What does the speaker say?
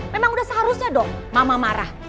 memang udah seharusnya dong mama marah